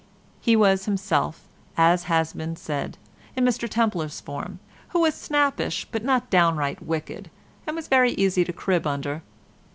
He was himself, as has been said, in Mr Templer's form, who was snappish, but not downright wicked, and was very easy to crib under.